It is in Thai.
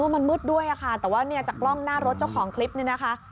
มันมืดด้วยค่ะแต่ว่าเนี่ยจากกล้องหน้ารถเจ้าของคลิปนี้นะคะ